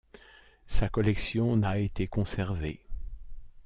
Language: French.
Sa collection n’a été conservée.